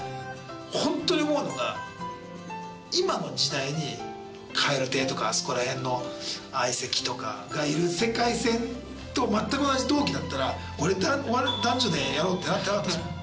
本当に思うのが今の時代に蛙亭とかあそこら辺の相席とかがいる世界線と全く同じ同期だったら俺お笑い男女でやろうってなってなかったですもん。